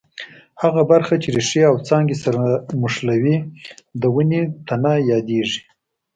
هغه برخه چې ریښې او څانګې سره نښلوي د ونې تنه یادیږي.